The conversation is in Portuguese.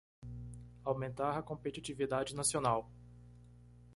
Aumentar a competitividade nacional